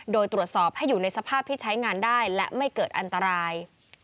โดยตรวจสอบให้อยู่ในสภาพที่ใช้งานได้และไม่เกิดอันตราย